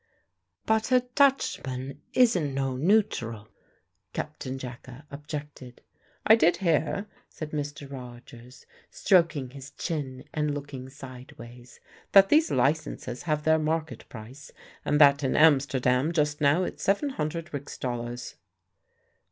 "But a Dutchman isn' no neutral," Captain Jacka objected. "I did hear," said Mr. Rogers, stroking his chin and looking sideways, "that these licences have their market price, and that in Amsterdam just now it's seven hundred rix dollars."